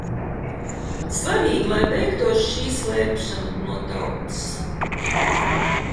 Svarīgi, lai beigtos šī slēpšana no tautas.